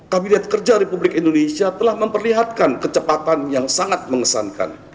kabinet kerja republik indonesia telah memperlihatkan kecepatan yang sangat mengesankan